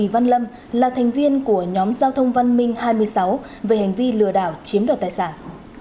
văn lâm là thành viên của nhóm giao thông văn minh hai mươi sáu về hành vi lừa đảo chiếm đoạt tài sản